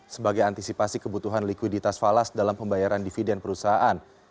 sebagai antisipasi kebutuhan likuiditas falas dalam pembayaran dividen perusahaan